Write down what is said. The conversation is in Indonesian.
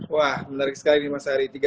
wah menarik sekali ini mas ari